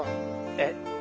えっ？